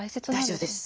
大丈夫です。